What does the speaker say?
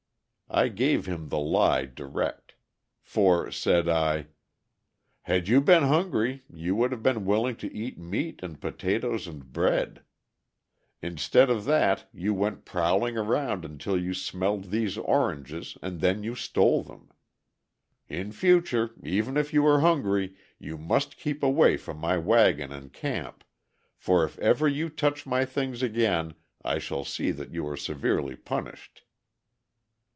I gave him the lie direct; for, said I, "Had you been hungry, you would have been willing to eat meat and potatoes and bread. Instead of that you went prowling around until you smelled these oranges and then you stole them. In future, even if you are hungry, you must keep away from my wagon and camp, for if ever you touch my things again, I shall see that you are severely punished."